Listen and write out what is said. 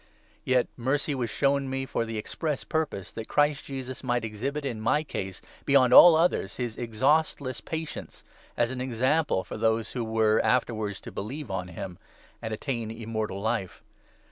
Yet mercy was shown 16 me for the express purpose that Christ Jesus might exhibit in my case, beyond all others, his exhaustless patience, as an example for those who were afterwards to believe on him and attain Immortal Life.